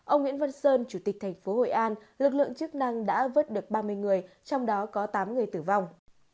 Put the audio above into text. ông nguyễn văn sơn chủ tịch thành phố hội an lực lượng chức năng đã vớt được ba mươi người trong đó có tám người tử vong